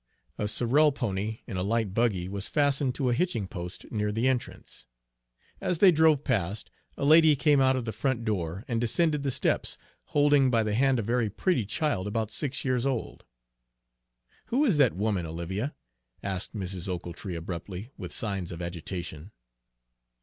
A sorrel pony in a light buggy was fastened to a hitching post near the entrance. As they drove past, a lady came out of the front door and descended the steps, holding by the hand a very pretty child about six years old. "Who is that woman, Olivia?" asked Mrs. Ochiltree abruptly, with signs of agitation.